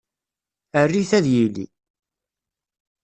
Err-it ad yili.